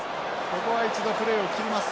ここは一度プレーを切ります。